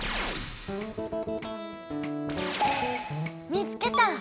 見つけた！